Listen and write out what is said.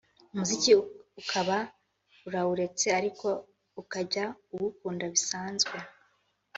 umuziki ukaba urawuretse ariko ukajya uwukunda bisanzwe